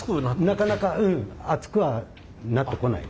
なかなか熱くはなってこない。